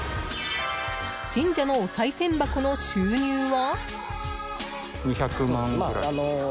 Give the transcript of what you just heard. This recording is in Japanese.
神社のおさい銭箱の収入は？